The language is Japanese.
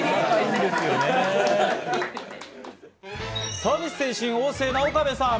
サービス精神旺盛な岡部さん。